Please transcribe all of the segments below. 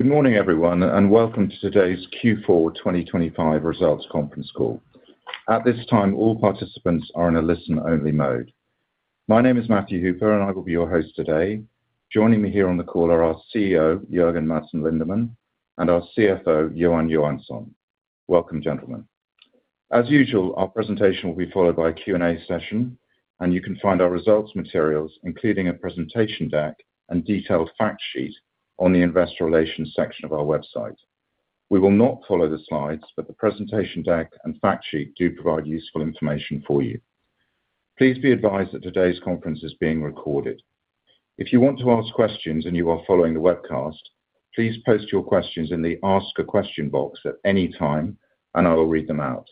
Good morning, everyone, and welcome to today's Q4 2025 results conference call. At this time, all participants are in a listen-only mode. My name is Matthew Hooper, and I will be your host today. Joining me here on the call are our CEO, Jørgen Madsen Lindemann, and our CFO, Johan Johansson. Welcome, gentlemen. As usual, our presentation will be followed by a Q&A session, and you can find our results materials, including a presentation deck and detailed fact sheet, on the investor relations section of our website. We will not follow the slides, but the presentation deck and fact sheet do provide useful information for you. Please be advised that today's conference is being recorded. If you want to ask questions and you are following the webcast, please post your questions in the ask-a-question box at any time, and I will read them out.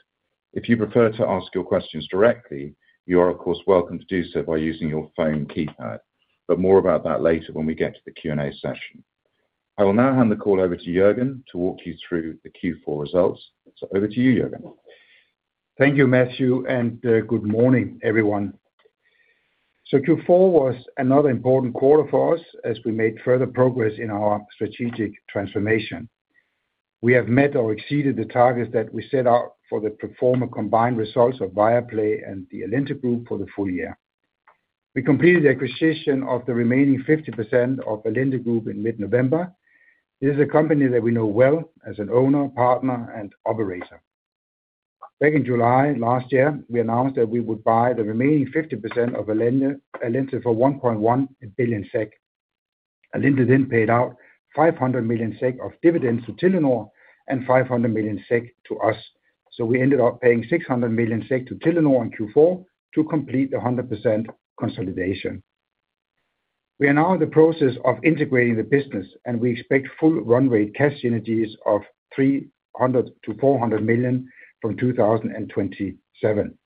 If you prefer to ask your questions directly, you are, of course, welcome to do so by using your phone keypad, but more about that later when we get to the Q&A session. I will now hand the call over to Jørgen to walk you through the Q4 results. So over to you, Jørgen. Thank you, Matthew, and, good morning, everyone. So Q4 was another important quarter for us as we made further progress in our strategic transformation. We have met or exceeded the targets that we set out for the pro forma combined results of Viaplay and the Allente Group for the full year. We completed the acquisition of the remaining 50% of Allente Group in mid-November. This is a company that we know well as an owner, partner, and operator. Back in July last year, we announced that we would buy the remaining 50% of Allente, Allente for 1.1 billion SEK. Allente then paid out 500 million SEK of dividends to Telenor and 500 million SEK to us. So we ended up paying 600 million SEK to Telenor in Q4 to complete the 100% consolidation. We are now in the process of integrating the business, and we expect full runway cash synergies of 300 million-400 million from 2027,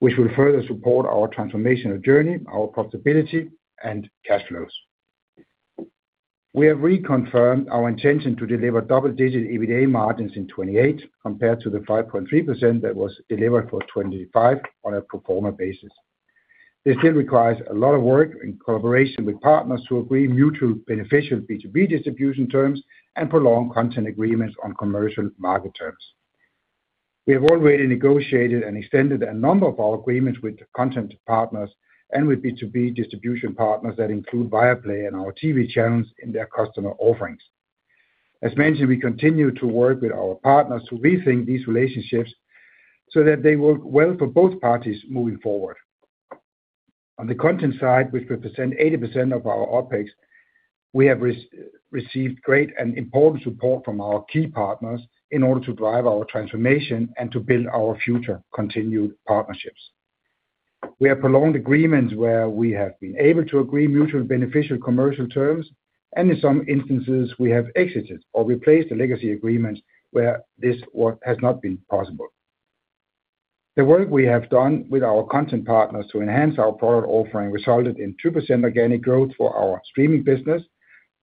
which will further support our transformational journey, our profitability, and cash flows. We have reconfirmed our intention to deliver double-digit EBITA margins in 2028, compared to the 5.3% that was delivered for 2025 on a pro forma basis. This still requires a lot of work in collaboration with partners to agree mutually beneficial B2B distribution terms and prolong content agreements on commercial market terms. We have already negotiated and extended a number of our agreements with the content partners and with B2B distribution partners that include Viaplay and our TV channels in their customer offerings. As mentioned, we continue to work with our partners to rethink these relationships so that they work well for both parties moving forward. On the content side, which represent 80% of our OpEx, we have received great and important support from our key partners in order to drive our transformation and to build our future continued partnerships. We have prolonged agreements where we have been able to agree mutually beneficial commercial terms, and in some instances, we have exited or replaced the legacy agreements where this work has not been possible. The work we have done with our content partners to enhance our product offering resulted in 2% organic growth for our streaming business.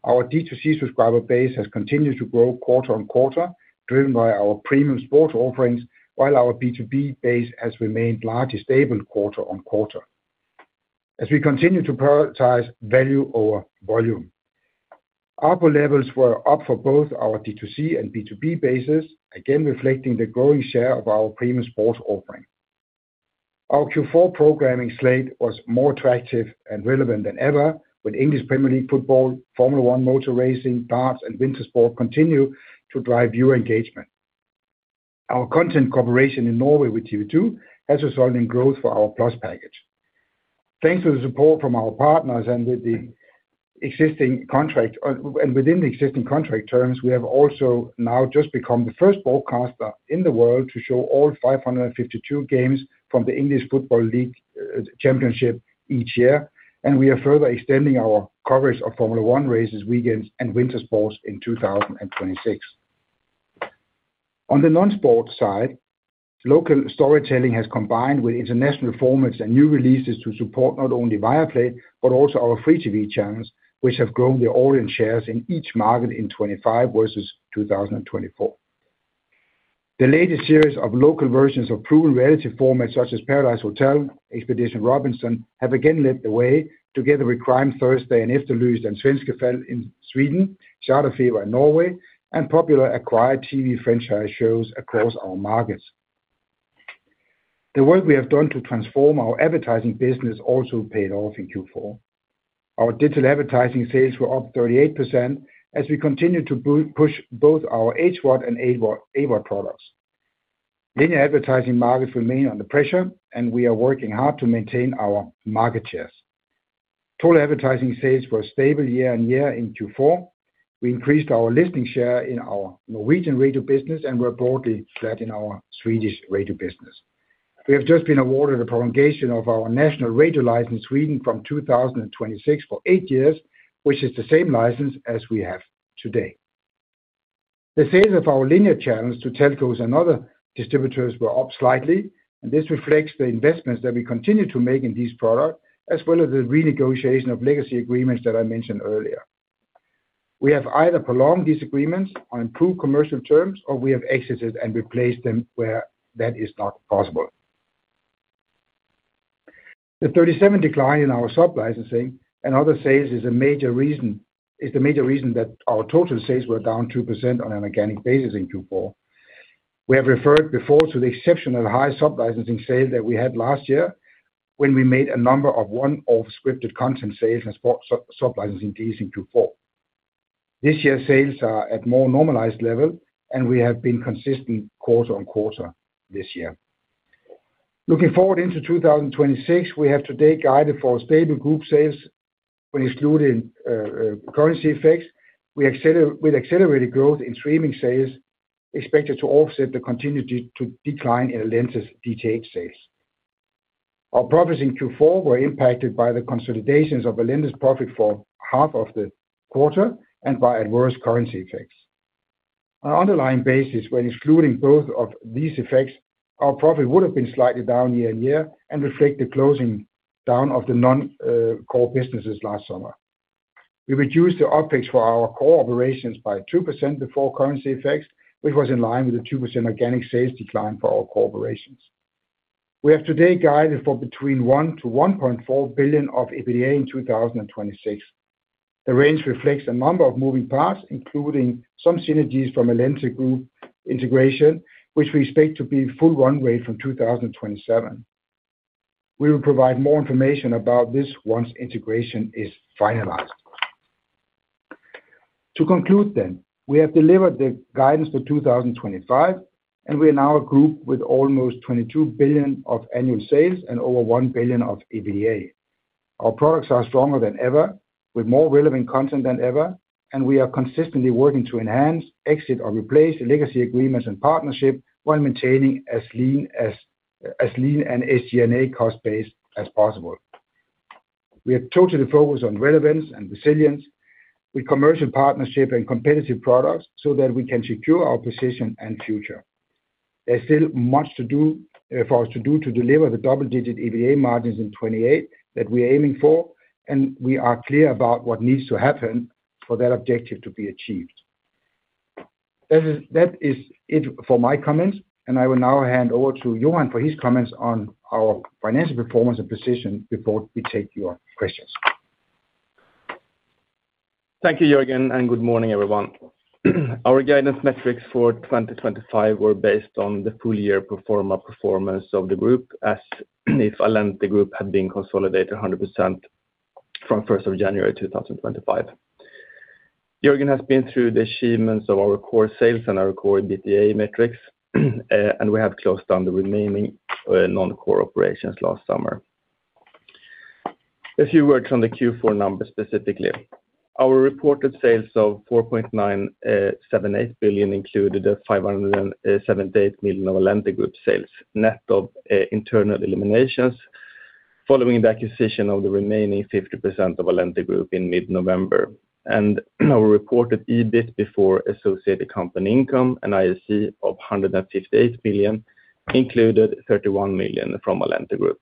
Our D2C subscriber base has continued to grow quarter-over-quarter, driven by our premium sports offerings, while our B2B base has remained largely stable quarter-over-quarter. As we continue to prioritize value over volume, ARPU levels were up for both our D2C and B2B bases, again, reflecting the growing share of our premium sports offering. Our Q4 programming slate was more attractive and relevant than ever, with English Premier League football, Formula One motor racing, darts, and winter sport continue to drive viewer engagement. Our content cooperation in Norway with TV 2 has resulted in growth for our Plus package. Thanks to the support from our partners and with the existing contract, and within the existing contract terms, we have also now just become the first broadcaster in the world to show all 552 games from the English Football League Championship each year, and we are further extending our coverage of Formula One races, weekends, and winter sports in 2026. On the non-sports side, local storytelling has combined with international formats and new releases to support not only Viaplay, but also our free TV channels, which have grown their audience shares in each market in 2025 versus 2024. The latest series of local versions of proven reality formats, such as Paradise Hotel, Expedition Robinson, have again led the way together with Crime Thursday and Efterlyst and Svenska Fall in Sweden, Charterfeber in Norway, and popular acquired TV franchise shows across our markets. The work we have done to transform our advertising business also paid off in Q4. Our digital advertising sales were up 38% as we continued to push both our HVOD and AVOD products. Linear advertising markets remain under pressure, and we are working hard to maintain our market shares. Total advertising sales were stable year-on-year in Q4. We increased our listening share in our Norwegian radio business and were broadly flat in our Swedish radio business. We have just been awarded a prolongation of our national radio license, Sweden, from 2026 for 8 years, which is the same license as we have today. The sales of our linear channels to telcos and other distributors were up slightly, and this reflects the investments that we continue to make in these products, as well as the renegotiation of legacy agreements that I mentioned earlier. We have either prolonged these agreements on improved commercial terms, or we have exited and replaced them where that is not possible. The 37 decline in our sub licensing and other sales is a major reason, is the major reason that our total sales were down 2% on an organic basis in Q4. We have referred before to the exceptionally high sublicensing sales that we had last year, when we made a number of one-off scripted content sales and sports sublicensing deals in Q4. This year, sales are at more normalized level, and we have been consistent quarter-on-quarter this year. Looking forward into 2026, we have today guided for stable group sales when excluding currency effects. With accelerated growth in streaming sales, expected to offset the continued decline in Allente DTH sales. Our profits in Q4 were impacted by the consolidations of Allente's profit for half of the quarter and by adverse currency effects. On an underlying basis, when excluding both of these effects, our profit would have been slightly down year-on-year and reflect the closing down of the non-core businesses last summer. We reduced the OpEx for our core operations by 2% before currency effects, which was in line with the 2% organic sales decline for our core operations. We have today guided for between 1 billion-1.4 billion of EBITDA in 2026. The range reflects a number of moving parts, including some synergies from Allente Group integration, which we expect to be full run-rate from 2027. We will provide more information about this once integration is finalized. To conclude then, we have delivered the guidance for 2025, and we are now a group with almost 22 billion of annual sales and over 1 billion of EBITDA. Our products are stronger than ever, with more relevant content than ever, and we are consistently working to enhance, exit, or replace legacy agreements and partnership, while maintaining as lean and SG&A cost base as possible. We are totally focused on relevance and resilience with commercial partnership and competitive products so that we can secure our position and future. There's still much to do for us to do to deliver the double-digit EBITDA margins in 2028 that we are aiming for, and we are clear about what needs to happen for that objective to be achieved. That is it for my comments, and I will now hand over to Johan for his comments on our financial performance and position before we take your questions. Thank you, Jørgen, and good morning, everyone. Our guidance metrics for 2025 were based on the full year pro forma performance of the group, as if Allente Group had been consolidated 100% from January 1, 2025. Jørgen has been through the achievements of our core sales and our core EBITDA metrics, and we have closed down the remaining non-core operations last summer. A few words on the Q4 numbers, specifically. Our reported sales of 4.978 billion included 578 million of Allente Group sales, net of internal eliminations, following the acquisition of the remaining 50% of Allente Group in mid-November. Our reported EBIT before associated company income, less IAC of -158 million, included 31 million from Allente Group.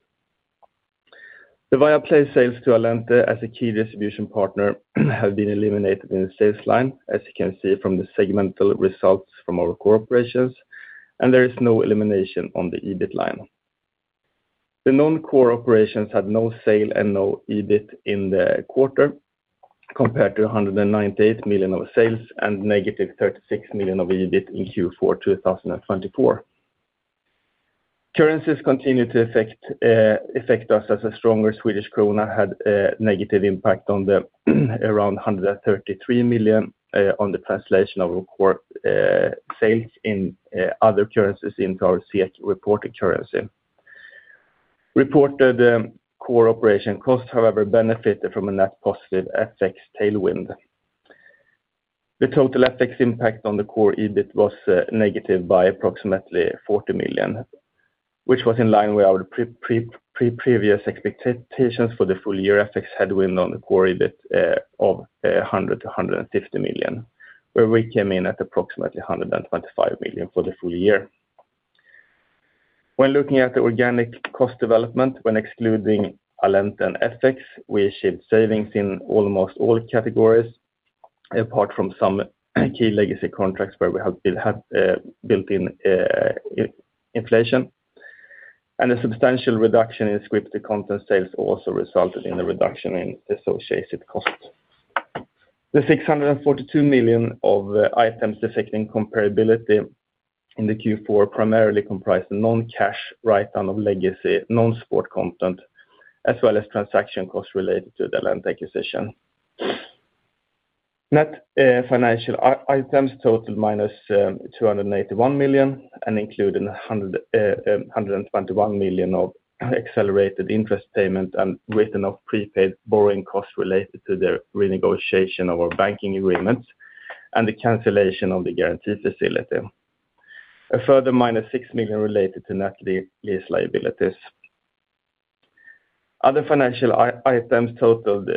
The Viaplay sales to Allente as a key distribution partner have been eliminated in the sales line, as you can see from the segmental results from our core operations, and there is no elimination on the EBIT line. The non-core operations had no sale and no EBIT in the quarter, compared to 198 million of sales and -36 million of EBIT in Q4 2024. Currencies continue to affect us as a stronger Swedish krona had a negative impact on around 133 million on the translation of record sales in other currencies into our SEK reported currency. Reported core operation costs, however, benefited from a net positive FX tailwind. The total FX impact on the core EBIT was negative by approximately 40 million, which was in line with our previous expectations for the full year FX headwind on the core EBIT of 100 million-150 million, where we came in at approximately 125 million for the full year. When looking at the organic cost development, when excluding Allente and FX, we achieved savings in almost all categories, apart from some key legacy contracts where we have built-in inflation, and a substantial reduction in scripted content sales also resulted in a reduction in associated costs. The 642 million of items affecting comparability in the Q4 primarily comprised a non-cash write-down of legacy non-sport content, as well as transaction costs related to the Allente acquisition. Net financial items totaled SEK -281 million, including 121 million of accelerated interest payment and written off prepaid borrowing costs related to the renegotiation of our banking agreements and the cancellation of the guaranteed facility. A further -6 million related to net lease liabilities. Other financial items totaled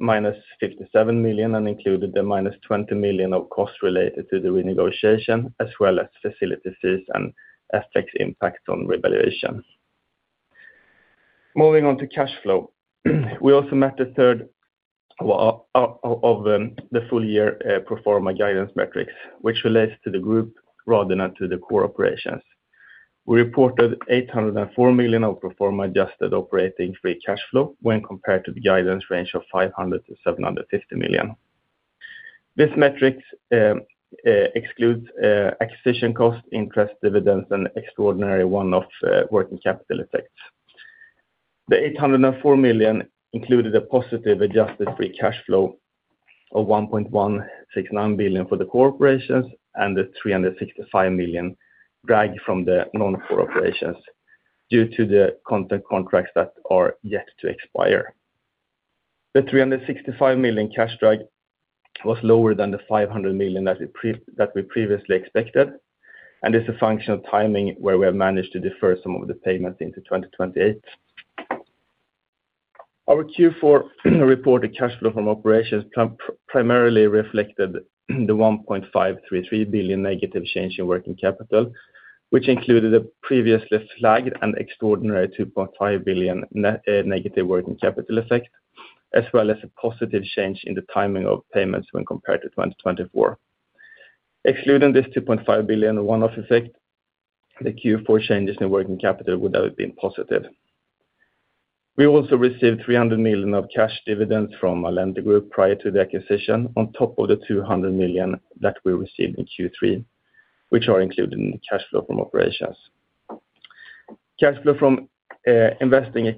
-57 million and included the -20 million of costs related to the renegotiation, as well as facility fees and FX impact on revaluation. Moving on to cash flow. Well, we also met the full year pro forma guidance metrics, which relates to the group rather than to the core operations. We reported 804 million of pro forma adjusted operating free cash flow when compared to the guidance range of 500 million-750 million. This metric excludes acquisition costs, interest, dividends, and extraordinary one-off working capital effects. The 804 million included a positive adjusted free cash flow of 1.169 billion for the corporations and the 365 million drag from the non-core operations due to the content contracts that are yet to expire. The 365 million cash drag was lower than the 500 million that we previously expected, and is a function of timing, where we have managed to defer some of the payments into 2028. Our Q4 reported cash flow from operations primarily reflected the -1.533 billion change in working capital, which included a previously flagged and extraordinary 2.5 billion negative working capital effect, as well as a positive change in the timing of payments when compared to 2024. Excluding this 2.5 billion one-off effect, the Q4 changes in working capital would have been positive. We also received 300 million of cash dividends from Allente Group prior to the acquisition, on top of the 200 million that we received in Q3, which are included in the cash flow from operations. Cash flow from investing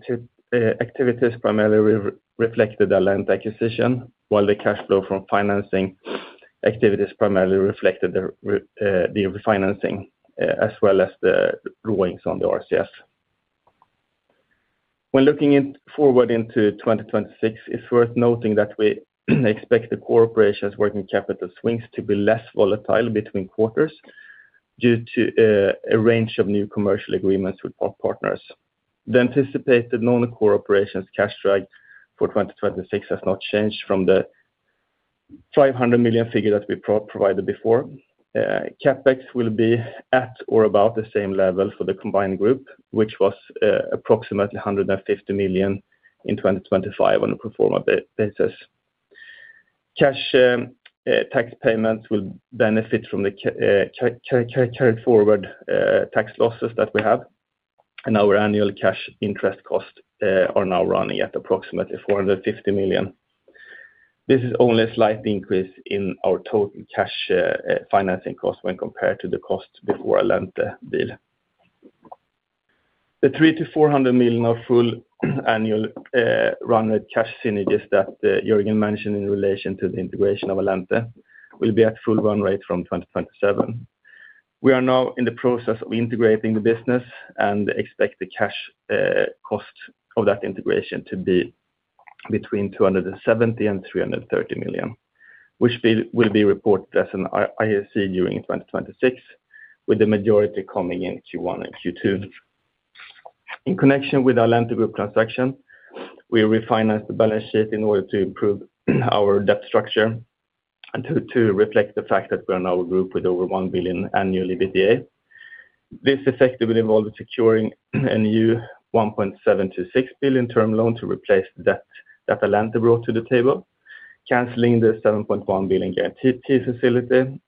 activities primarily reflected the Allente acquisition, while the cash flow from financing activities primarily reflected the refinancing, as well as the rulings on the RCF. When looking forward into 2026, it's worth noting that we expect the core operations working capital swings to be less volatile between quarters due to a range of new commercial agreements with our partners. The anticipated non-core operations cash drag for 2026 has not changed from the 500 million figure that we provided before. CapEx will be at or about the same level for the combined group, which was approximately 150 million in 2025 on a pro forma basis. Cash tax payments will benefit from the carried forward tax losses that we have, and our annual cash interest costs are now running at approximately 450 million. This is only a slight increase in our total cash financing cost when compared to the cost before Allente deal. The 300 million-400 million of full annual run rate cash synergies that Jørgen mentioned in relation to the integration of Allente will be at full run rate from 2027. We are now in the process of integrating the business and expect the cash cost of that integration to be between 270 million and 330 million, which will be reported as an IAC during 2026, with the majority coming in Q1 and Q2. In connection with Allente Group transaction, we refinanced the balance sheet in order to improve our debt structure and to reflect the fact that we're now a group with over 1 billion annual EBITDA. This effectively involved securing a new 1.726 billion term loan to replace the debt that Allente brought to the table, canceling the 7.1 billion guarantee facility,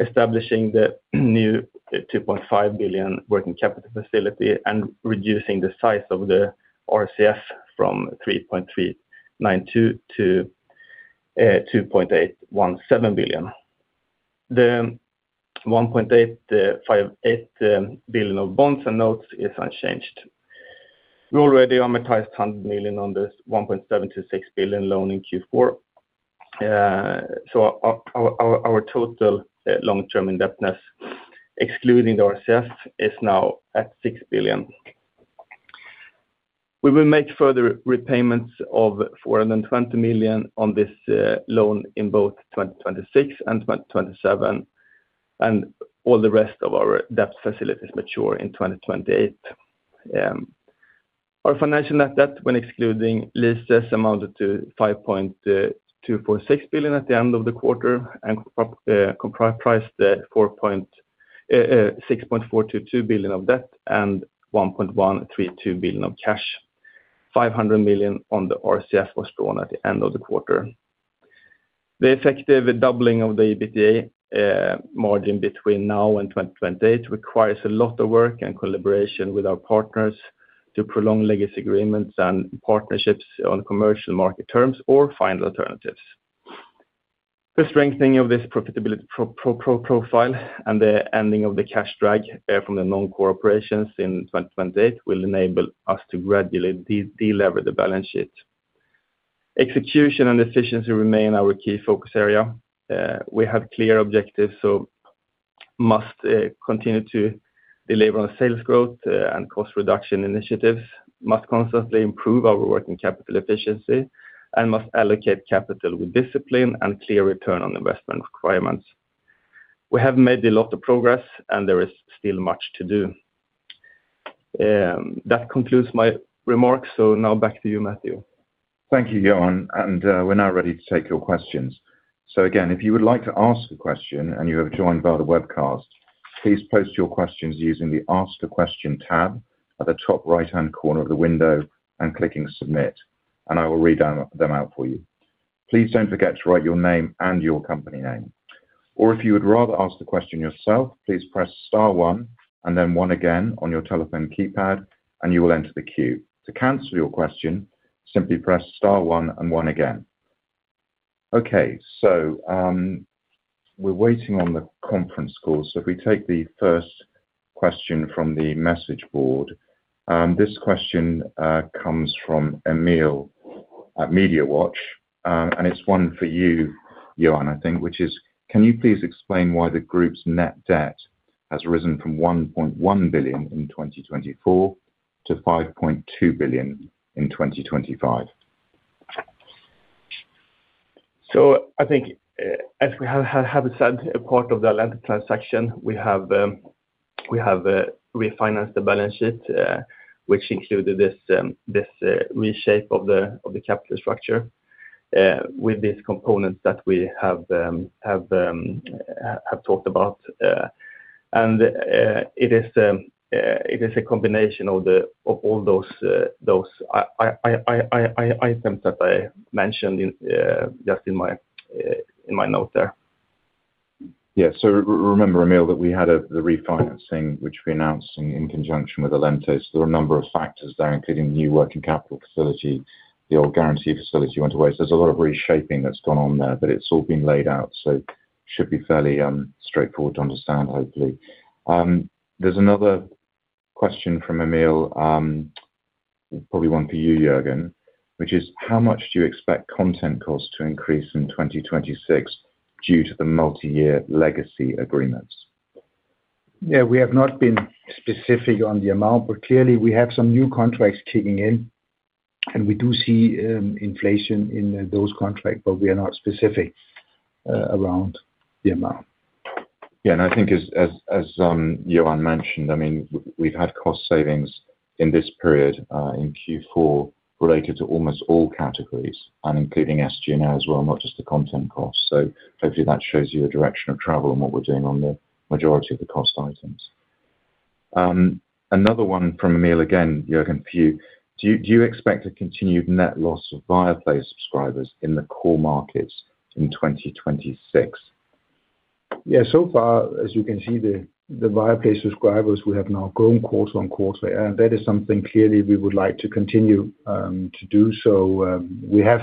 establishing the new 2.5 billion working capital facility, and reducing the size of the RCF from 3.392 to 2.817 billion. The 1.858 billion of bonds and notes is unchanged. We already amortized 100 million on this 1.726 billion loan in Q4. So our total long-term indebtedness, excluding the RCF, is now at 6 billion. We will make further repayments of 420 million on this loan in both 2026 and 2027, and all the rest of our debt facilities mature in 2028. Our financial net debt, when excluding leases, amounted to 5.246 billion at the end of the quarter, and comprised the 4.6422 billion of debt and 1.132 billion of cash. 500 million on the RCF was drawn at the end of the quarter. The effective doubling of the EBITDA margin between now and 2028 requires a lot of work and collaboration with our partners to prolong legacy agreements and partnerships on commercial market terms or find alternatives. The strengthening of this profitability profile and the ending of the cash drag from the non-core operations in 2028 will enable us to gradually de-lever the balance sheet. Execution and efficiency remain our key focus area. We have clear objectives, so must continue to deliver on sales growth and cost reduction initiatives, must constantly improve our working capital efficiency, and must allocate capital with discipline and clear return on investment requirements. We have made a lot of progress, and there is still much to do. That concludes my remarks. So now back to you, Matthew. Thank you, Johan, and we're now ready to take your questions. So again, if you would like to ask a question and you have joined via the webcast, please post your questions using the Ask a Question tab at the top right-hand corner of the window and clicking Submit, and I will read them out for you. Please don't forget to write your name and your company name. Or if you would rather ask the question yourself, please press star one and then one again on your telephone keypad, and you will enter the queue. To cancel your question, simply press star one and one again. Okay, so we're waiting on the conference call. So if we take the first question from the message board, this question comes from Emil at MediaWatch. And it's one for you, Johan, I think, which is: Can you please explain why the group's net debt has risen from 1.1 billion in 2024 to 5.2 billion in 2025? So I think, as we have said, a part of the Allente transaction, we have refinanced the balance sheet, which included this reshape of the capital structure, with this component that we have talked about. And it is a combination of all those items that I mentioned just in my note there. Yeah. So remember, Emil, that we had the refinancing, which we announced in conjunction with Allente. There were a number of factors there, including new working capital facility. The old guarantee facility went away, so there's a lot of reshaping that's gone on there, but it's all been laid out, so should be fairly straightforward to understand, hopefully. There's another question from Emil, probably one for you, Jørgen, which is: How much do you expect content costs to increase in 2026 due to the multi-year legacy agreements? Yeah, we have not been specific on the amount, but clearly, we have some new contracts kicking in, and we do see inflation in those contracts, but we are not specific around the amount. Yeah, and I think Johan mentioned, I mean, we've had cost savings in this period, in Q4, related to almost all categories and including SG&A as well, not just the content costs. So hopefully that shows you the direction of travel and what we're doing on the majority of the cost items. Another one from Emil, again, Jørgen, for you. Do you expect a continued net loss of Viaplay subscribers in the core markets in 2026? Yeah, so far, as you can see, the Viaplay subscribers we have now grown quarter on quarter, and that is something clearly we would like to continue to do. So, we have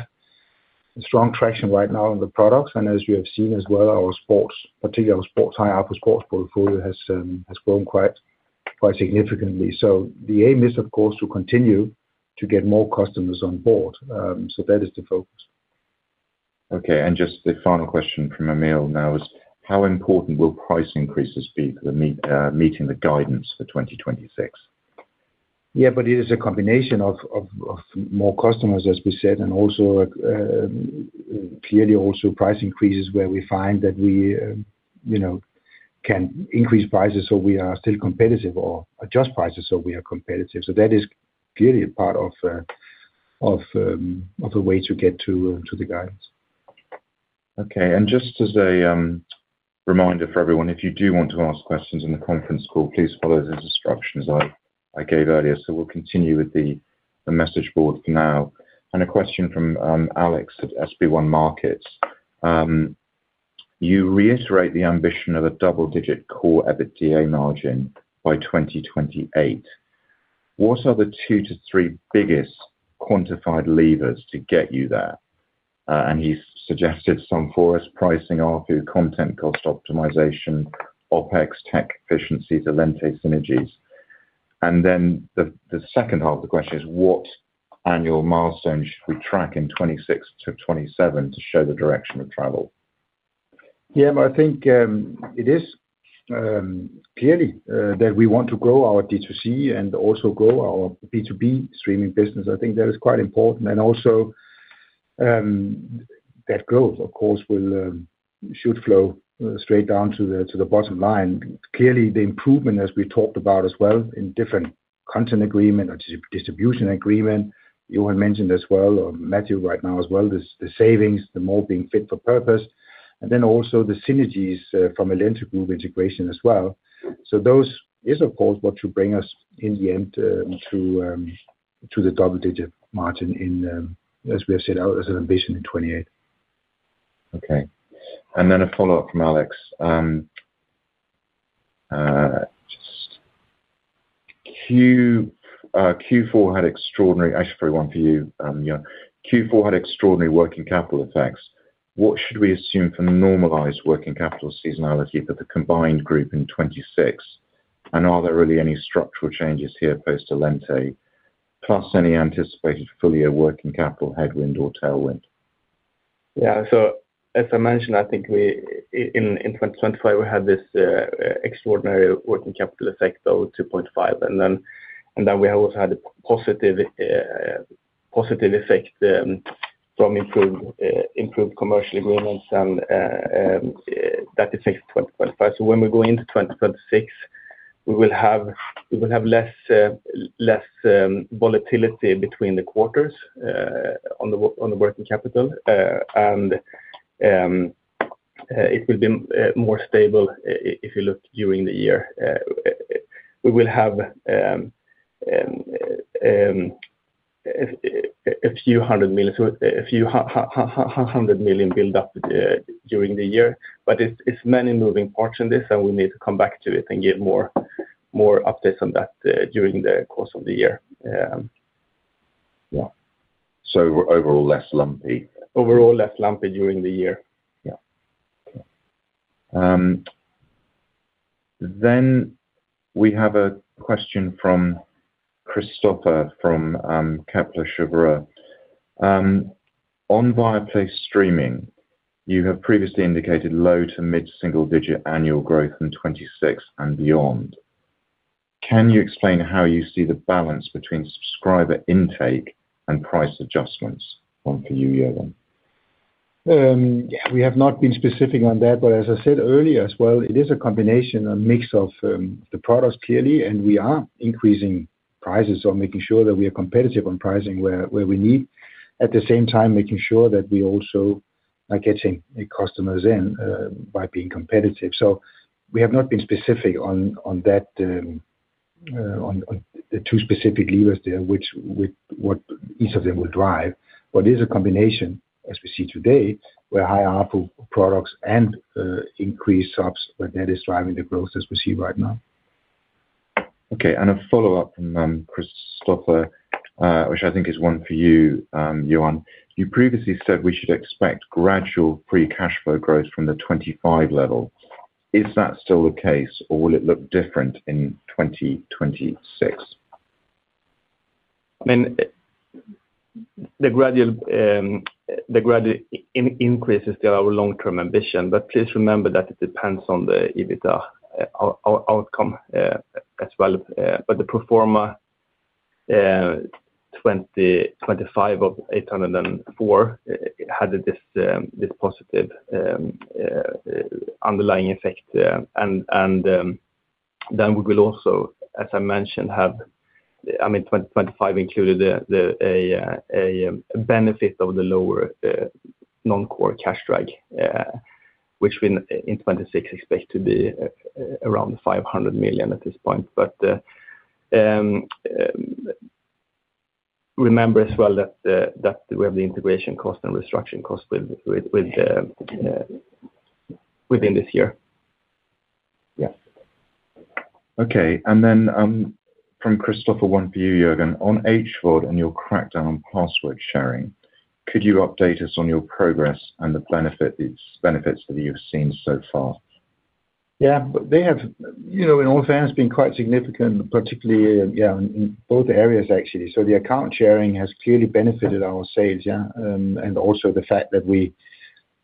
strong traction right now on the products, and as you have seen as well, our sports, particularly our sports high output sports portfolio has grown quite significantly. So the aim is, of course, to continue to get more customers on board. So that is the focus. Okay, and just the final question from Emil now is: How important will price increases be for meeting the guidance for 2026? Yeah, but it is a combination of more customers, as we said, and also clearly also price increases, where we find that we, you know, can increase prices, so we are still competitive or adjust prices, so we are competitive. So that is clearly a part of the way to get to the guidance. Okay. Just as a reminder for everyone, if you do want to ask questions in the conference call, please follow the instructions I gave earlier. We'll continue with the message board for now. A question from Alex at SB1 Markets. You reiterate the ambition of a double-digit core EBITDA margin by 2028. What are the two to three biggest quantified levers to get you there? And he suggested some forest pricing, ARPU content, cost optimization, OpEx, tech efficiency, Allente synergies. Then the second half of the question is: What annual milestone should we track in 2026-2027 to show the direction of travel? Yeah, but I think, it is, clearly, that we want to grow our D2C and also grow our B2B streaming business. I think that is quite important, and also, that growth, of course, will, should flow straight down to the, to the bottom line. Clearly, the improvement, as we talked about as well, in different content agreement or distribution agreement, Johan mentioned as well, or Matthew right now as well, the, the savings, the more being fit for purpose, and then also the synergies, from Allente Group integration as well. So those is of course, what should bring us in the end, to, to the double-digit margin in, as we have said, out as an ambition in 2028. Okay, and then a follow-up from Alex. Actually, one for you, Johan. Q4 had extraordinary working capital effects. What should we assume for the normalized working capital seasonality for the combined group in 2026? And are there really any structural changes here post-Allente, plus any anticipated full year working capital headwind or tailwind? Yeah. As I mentioned, I think we, in 2025, we had this extraordinary working capital effect, though, 2.5 billion, and then we also had a positive, positive effect from improved, improved commercial agreements and that effect in 2025. When we go into 2026, we will have, we will have less, less volatility between the quarters on the working capital. It will be more stable if you look during the year. We will have a few hundred million, so a few hundred million build up during the year. But it's, it's many moving parts in this, and we need to come back to it and give more, more updates on that, during the course of the year. Yeah. So overall, less lumpy? Overall, less lumpy during the year. Yeah. Then we have a question from Kristoffer from Kepler Cheuvreux. On Viaplay streaming, you have previously indicated low to mid-single digit annual growth in 2026 and beyond. Can you explain how you see the balance between subscriber intake and price adjustments? One for you, Jørgen. Yeah, we have not been specific on that, but as I said earlier as well, it is a combination, a mix of the products clearly, and we are increasing prices or making sure that we are competitive on pricing where we need. At the same time, making sure that we also are getting the customers in by being competitive. So we have not been specific on that on the two specific levers there, which what each of them will drive. But it's a combination, as we see today, where high ARPU products and increased subs where that is driving the growth as we see right now. Okay, a follow-up from Kristoffer, which I think is one for you, Johan. You previously said we should expect gradual pre-cash flow growth from the 25 level. Is that still the case, or will it look different in 2026? I mean, the gradual increase is still our long-term ambition, but please remember that it depends on the EBITDA outcome, as well. But the pro forma 2025 of 804 had this positive underlying effect. And then we will also, as I mentioned, have—I mean, 2025 included the benefit of the lower non-core cash drag, which in 2026 expect to be around 500 million at this point. But remember as well that we have the integration cost and restructuring cost within this year. Yeah. Okay. Then, from Kristoffer, one for you, Jørgen. On HVOD and your crackdown on password sharing, could you update us on your progress and the benefit, its benefits that you've seen so far? Yeah. But they have, you know, in all fairness, been quite significant, particularly, yeah, in both areas, actually. So the account sharing has clearly benefited our sales, yeah, and also the fact that we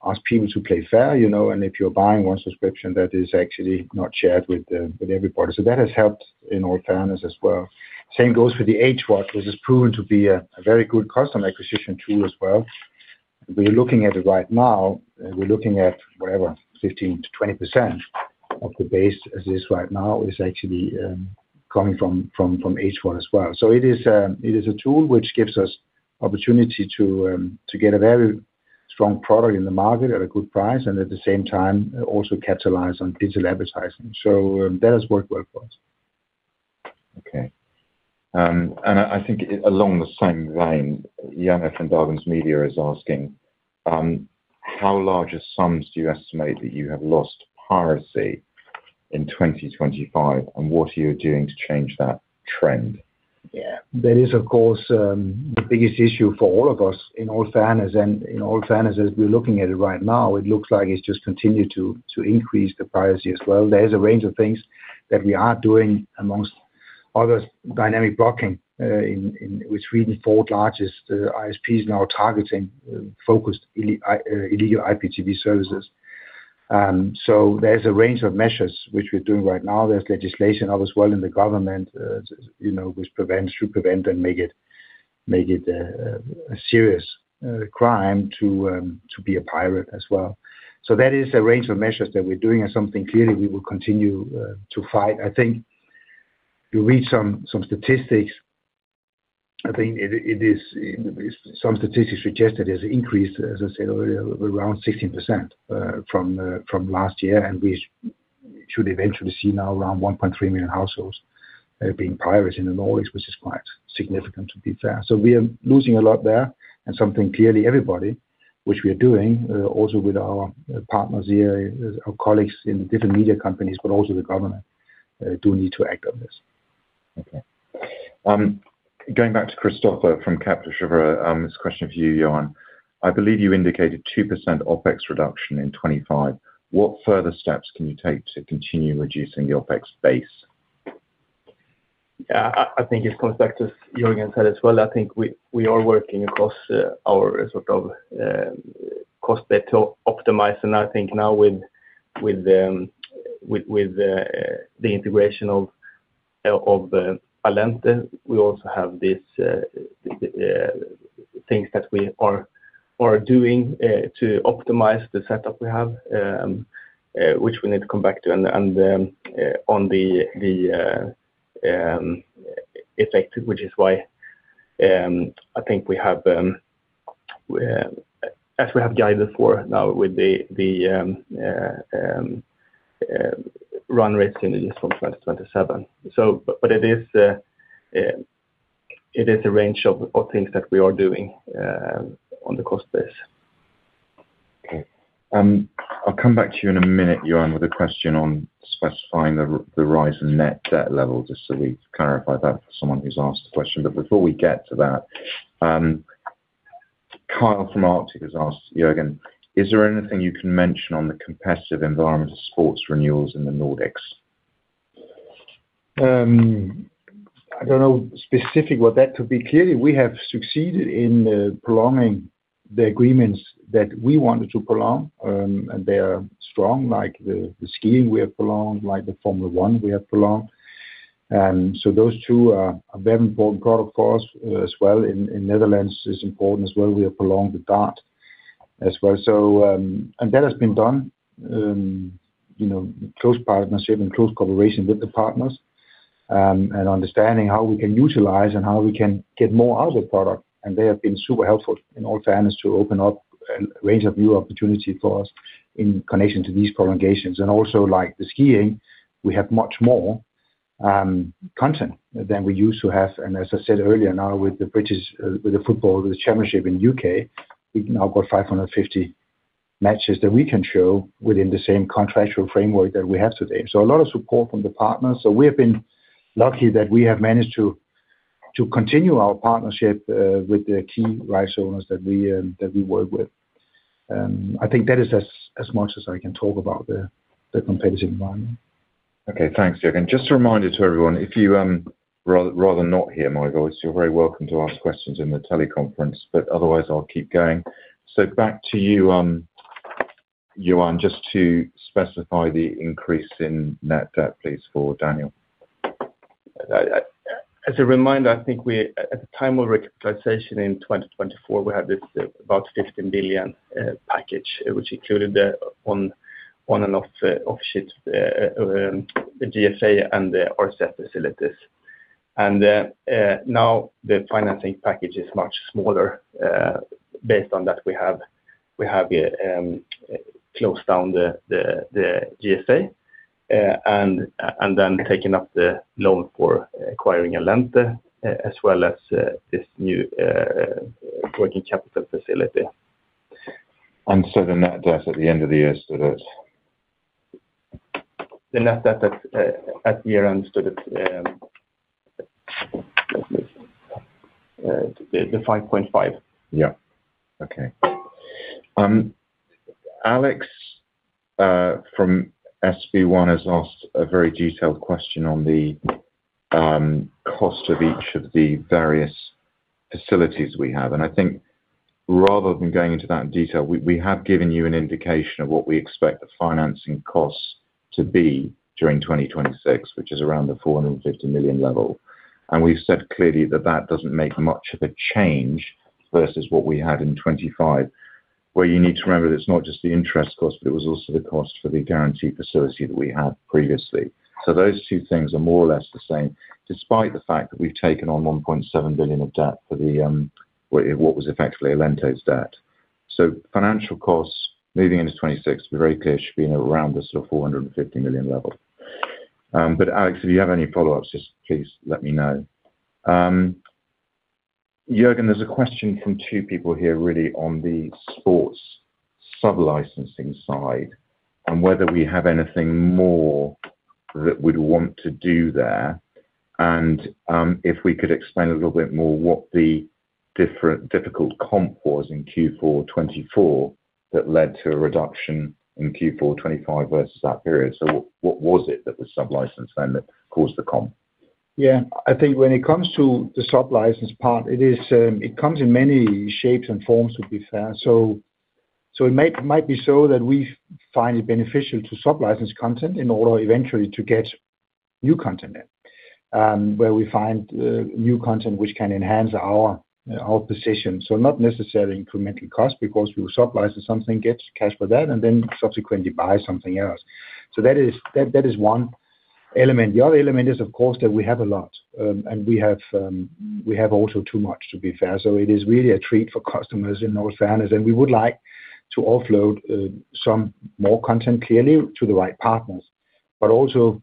ask people to play fair, you know, and if you're buying one subscription, that is actually not shared with, with everybody. So that has helped in all fairness as well. Same goes for the HVOD, which has proven to be a very good customer acquisition tool as well. We're looking at it right now, we're looking at whatever, 15%-20% of the base as is right now, is actually coming from HVOD as well. So it is a tool which gives us opportunity to get a very strong product in the market at a good price, and at the same time, also capitalize on digital advertising. So, that has worked well for us. Okay. And I think along the same line, Yannick from Bergens Media is asking: How large a sums do you estimate that you have lost piracy in 2025? And what are you doing to change that trend? Yeah. That is, of course, the biggest issue for all of us in all fairness and, in all fairness, as we're looking at it right now, it looks like it's just continued to increase the piracy as well. There is a range of things that we are doing among other dynamic blocking, in which we, the fourth largest ISPs now are targeting focused illegal IPTV services. So there's a range of measures which we're doing right now. There's legislation as well in the government, you know, which prevents, should prevent and make it a serious crime to be a pirate as well. So that is a range of measures that we're doing and something clearly we will continue to fight. I think you read some statistics. I think it is, some statistics suggest that it's increased, as I said earlier, around 16%, from last year, and we should eventually see now around 1.3 million households being pirates in the Nordics, which is quite significant, to be fair. So we are losing a lot there and something clearly, everybody, which we are doing, also with our partners here, our colleagues in different media companies, but also the government, do need to act on this. Okay. Going back to Kristoffer from Kepler Cheuvreux, this question for you, Johan. I believe you indicated 2% OpEx reduction in 2025. What further steps can you take to continue reducing the OpEx base? Yeah, I think it comes back to what Jørgen said as well. I think we are working across our sort of cost base to optimize. And I think now with the integration of Allente. We also have these things that we are doing to optimize the setup we have, which we need to come back to. And on the effect, which is why I think we have, as we have guided for now with the run rate in from 2027. So but it is a range of things that we are doing on the cost base. Okay. I'll come back to you in a minute, Johan, with a question on specifying the rise in net debt level, just so we clarify that for someone who's asked the question. But before we get to that, Kyle from Arctic has asked Jørgen: Is there anything you can mention on the competitive environment of sports renewals in the Nordics? I don't know specifically what that could be. Clearly, we have succeeded in prolonging the agreements that we wanted to prolong, and they are strong, like the skiing we have prolonged, like the Formula One we have prolonged. And so those two are very important product for us as well. In Netherlands, it's important as well. We have prolonged the dart as well. So, and that has been done, you know, close partnership and close cooperation with the partners, and understanding how we can utilize and how we can get more out of the product. And they have been super helpful, in all fairness, to open up a range of new opportunity for us in connection to these prolongations. And also, like the skiing, we have much more content than we used to have. And as I said earlier, now with the British with the football, with the championship in U.K., we've now got 550 matches that we can show within the same contractual framework that we have today. So a lot of support from the partners. So we have been lucky that we have managed to continue our partnership with the key rights owners that we work with. I think that is as much as I can talk about the competitive environment. Okay. Thanks, Jørgen. Just a reminder to everyone, if you rather not hear my voice, you're very welcome to ask questions in the teleconference, but otherwise I'll keep going. So back to you, Johan, just to specify the increase in net debt, please, for Daniel. As a reminder, I think we, at the time of recapitalization in 2024, we had this about 15 billion package, which included the on and off-sheet, the GSA and the Orsett facilities. Now the financing package is much smaller, based on that we have closed down the GSA, and then taking up the loan for acquiring Allente, as well as this new working capital facility. The net debt at the end of the year stood at? The net debt at year end stood at SEK 5.5. Yeah. Okay. Alex from SB1 Markets has asked a very detailed question on the cost of each of the various facilities we have, and I think rather than going into that in detail, we, we have given you an indication of what we expect the financing costs to be during 2026, which is around the 450 million level. And we've said clearly that that doesn't make much of a change versus what we had in 2025, where you need to remember it's not just the interest cost, but it was also the cost for the guaranteed facility that we had previously. So those two things are more or less the same, despite the fact that we've taken on 1.7 billion of debt for the what was effectively Allente's debt. So financial costs leading into 2026, we're very clear, should be around the sort of 450 million level. But Alex, if you have any follow-ups, just please let me know. Jørgen, there's a question from two people here really on the sports sub-licensing side, and whether we have anything more that we'd want to do there. And, if we could explain a little bit more what the different, difficult comp was in Q4 2024, that led to a reduction in Q4 2025 versus that period. So what was it that was sub-licensed then that caused the comp? Yeah. I think when it comes to the sub-license part, it is, it comes in many shapes and forms, to be fair. So, it might be so that we find it beneficial to sub-license content in order eventually to get new content in. Where we find new content which can enhance our position. So not necessarily incremental cost because we will sub-license something, get cash for that, and then subsequently buy something else. So that is one element. The other element is, of course, that we have a lot, and we have also too much, to be fair. So it is really a treat for customers in all fairness, and we would like to offload some more content clearly to the right partners. But also,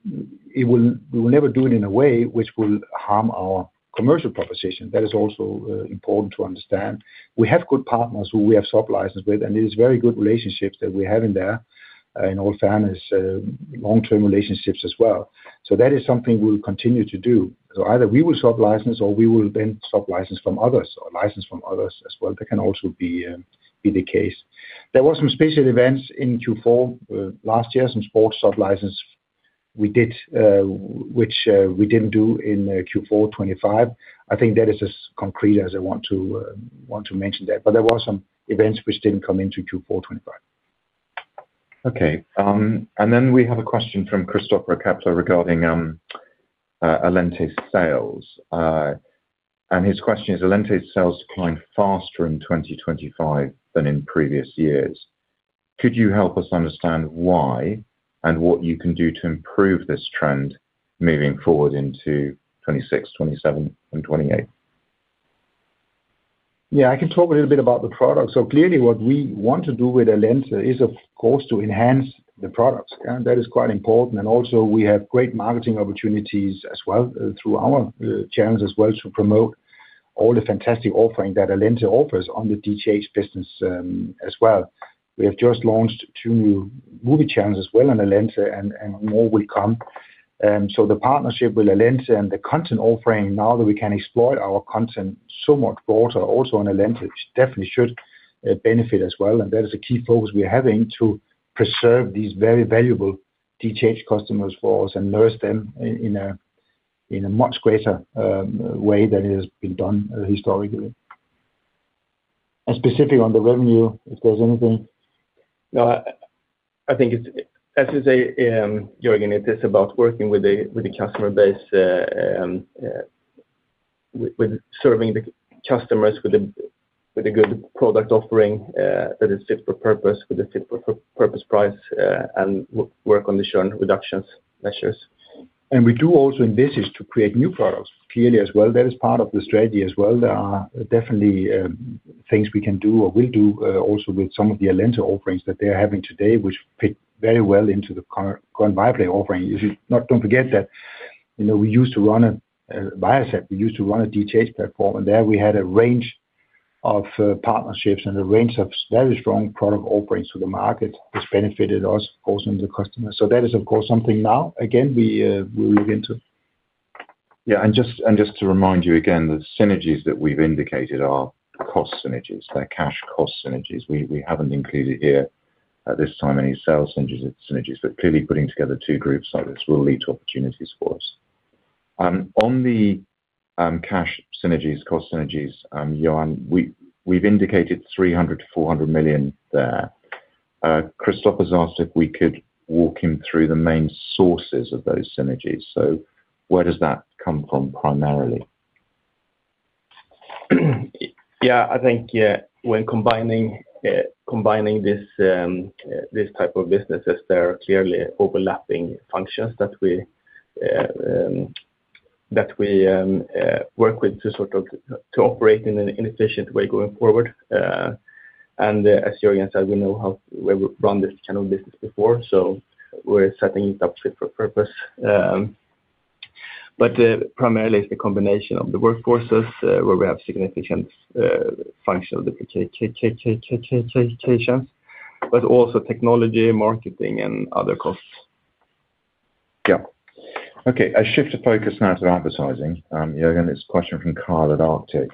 it will, we will never do it in a way which will harm our commercial proposition. That is also important to understand. We have good partners who we have sub-licensed with, and it is very good relationships that we have in there, in all fairness, long-term relationships as well. So that is something we'll continue to do. So either we will sub-license or we will then sub-license from others or license from others as well. That can also be the case. There were some special events in Q4 last year, some sports sub-license we did, which we didn't do in Q4 2025. I think that is as concrete as I want to mention that, but there were some events which didn't come into Q4 2025. Okay. And then we have a question from Kristoffer Kepler regarding Allente's sales. And his question is: Allente's sales declined faster in 2025 than in previous years. Could you help us understand why and what you can do to improve this trend moving forward into 2026, 2027, and 2028? Yeah, I can talk a little bit about the product. So clearly, what we want to do with Allente is, of course, to enhance the products, and that is quite important. And also, we have great marketing opportunities as well through our channels as well, to promote all the fantastic offering that Allente offers on the DTH business, as well. We have just launched two new movie channels as well on Allente, and more will come. So the partnership with Allente and the content offering, now that we can exploit our content so much broader also on Allente, it definitely should benefit as well. And that is a key focus we are having to preserve these very valuable DTH customers for us and nurse them in a much greater way than it has been done historically. Specifically on the revenue, if there's anything? No, I think it's, as you say, Jørgen, it is about working with the customer base, with serving the customers with a good product offering that is fit for purpose, with a fit for purpose price, and work on the cost reduction measures. We do also envisage to create new products clearly as well. That is part of the strategy as well. There are definitely things we can do or will do also with some of the Allente offerings that they're having today, which fit very well into the current Viaplay offering. If you don't forget that, you know, we used to run a Viasat, we used to run a DTH platform, and there we had a range of partnerships and a range of very strong product offerings to the market, which benefited us, also the customer. So that is, of course, something now, again, we we'll look into. Yeah, and just, and just to remind you again, the synergies that we've indicated are cost synergies. They're cash cost synergies. We haven't included here, at this time, any sales synergies, but clearly putting together two groups like this will lead to opportunities for us. On the cash synergies, cost synergies, Johan, we've indicated 300 million-400 million there. Christophe has asked if we could walk him through the main sources of those synergies. So where does that come from primarily? Yeah, I think, yeah, when combining this type of businesses, there are clearly overlapping functions that we work with to sort of operate in an efficient way going forward. And as Jørgen said, we know how, where we've run this channel business before, so we're setting it up fit for purpose. But primarily it's the combination of the workforces where we have significant functional duplications, but also technology, marketing, and other costs. Yeah. Okay, a shift of focus now to advertising. Jørgen, it's a question from Carl at Arctic.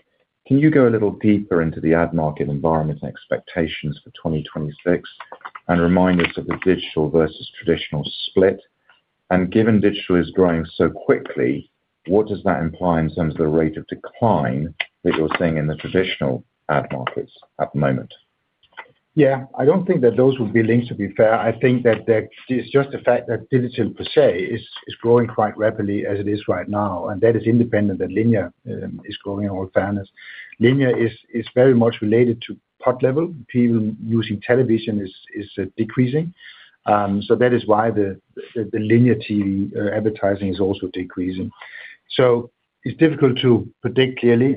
Can you go a little deeper into the ad market environment and expectations for 2026 and remind us of the digital versus traditional split? Given digital is growing so quickly, what does that imply in terms of the rate of decline that you're seeing in the traditional ad markets at the moment? Yeah, I don't think that those will be linked, to be fair. I think that it's just the fact that digital per se is growing quite rapidly as it is right now, and that is independent, that linear is growing in all fairness. Linear is very much related to ad level. People using television is decreasing, so that is why the linear TV advertising is also decreasing. So it's difficult to predict clearly.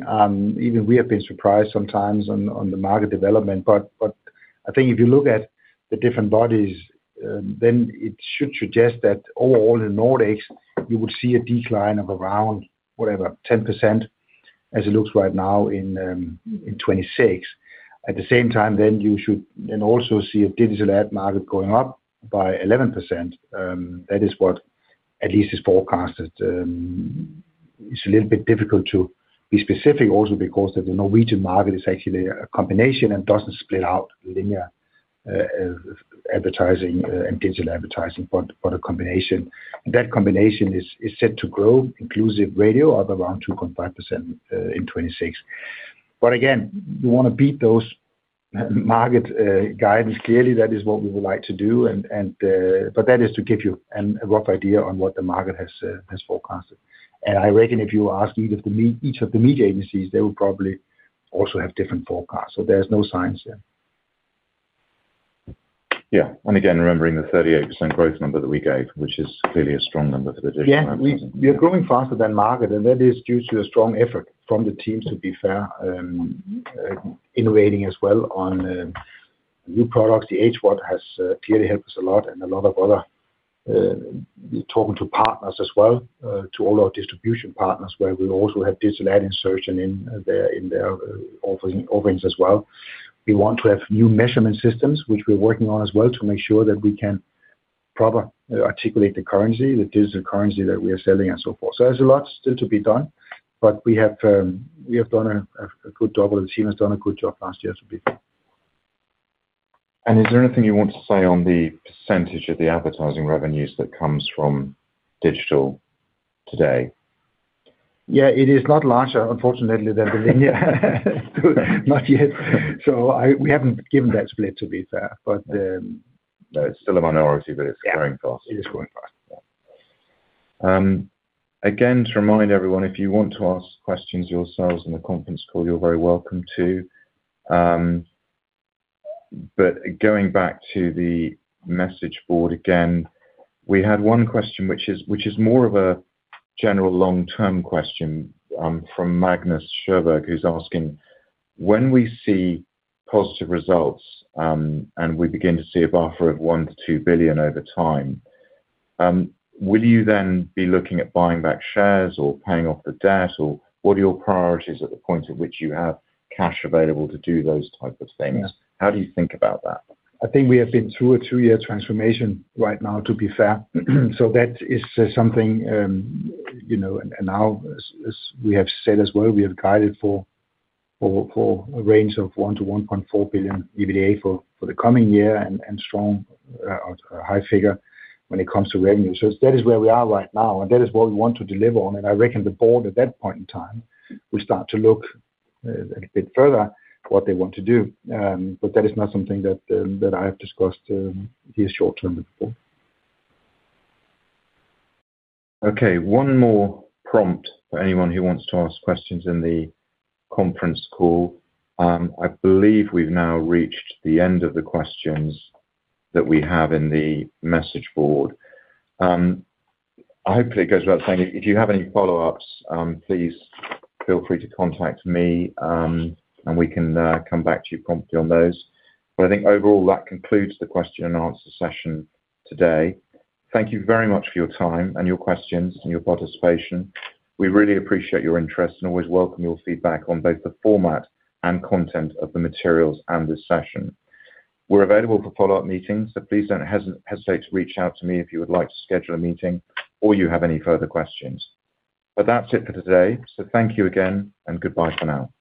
Even we have been surprised sometimes on the market development, but I think if you look at the different bodies, then it should suggest that overall in Nordics, you would see a decline of around, whatever, 10%, as it looks right now in 2026. At the same time, then, you should then also see a digital ad market going up by 11%. That is what at least is forecasted. It's a little bit difficult to be specific, also because of the Norwegian market is actually a combination and doesn't split out linear advertising and digital advertising, but a combination. And that combination is set to grow, inclusive radio, of around 2.5%, in 2026. But again, we wanna beat those market guidance. Clearly, that is what we would like to do, and, but that is to give you a rough idea on what the market has forecasted. And I reckon if you ask each of the media agencies, they will probably also have different forecasts. So there's no science there. Yeah. And again, remembering the 38% growth number that we gave, which is clearly a strong number for the digital- Yeah. We are growing faster than market, and that is due to a strong effort from the teams, to be fair, innovating as well on new products. The HVOD has clearly helped us a lot, and a lot of other talking to partners as well, to all our distribution partners, where we also have digital ad insertion in their offerings as well. We want to have new measurement systems, which we're working on as well, to make sure that we can properly articulate the currency, the digital currency that we are selling and so forth. So there's a lot still to be done, but we have done a good job, or the team has done a good job last year to be fair. Is there anything you want to say on the percentage of the advertising revenues that comes from digital today? Yeah, it is not larger, unfortunately, than the linear. Not yet. So we haven't given that split, to be fair, but No, it's still a minority, but it's growing fast. Yeah, it is growing fast. Again, to remind everyone, if you want to ask questions yourselves in the conference call, you're very welcome to. But going back to the message board again, we had one question, which is more of a general long-term question, from Magnus Sjöberg, who's asking: When we see positive results, and we begin to see a buffer of 1 billion-2 billion over time, will you then be looking at buying back shares or paying off the debt, or what are your priorities at the point at which you have cash available to do those type of things? How do you think about that? I think we have been through a 2-year transformation right now, to be fair. So that is something, you know, and now, as we have said as well, we have guided for a range of 1 billion-1.4 billion EBITDA for the coming year and strong, high figure when it comes to revenue. So that is where we are right now, and that is what we want to deliver on. I reckon the board at that point in time will start to look a bit further what they want to do. But that is not something that I have discussed this short term before. Okay, one more prompt for anyone who wants to ask questions in the conference call. I believe we've now reached the end of the questions that we have in the message board. Hopefully, it goes without saying, if you have any follow-ups, please feel free to contact me, and we can come back to you promptly on those. But I think overall, that concludes the question and answer session today. Thank you very much for your time, and your questions, and your participation. We really appreciate your interest and always welcome your feedback on both the format and content of the materials and this session. We're available for follow-up meetings, so please don't hesitate to reach out to me if you would like to schedule a meeting or you have any further questions. But that's it for today. Thank you again, and goodbye for now.